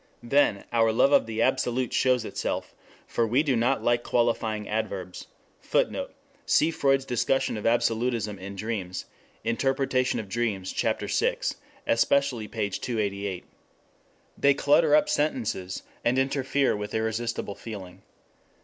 Then our love of the absolute shows itself. For we do not like qualifying adverbs. [Footnote: Cf. Freud's discussion of absolutism in dreams, Interpretation of Dreams, Chapter VI, especially pp. 288, et seq.] They clutter up sentences, and interfere with irresistible feeling.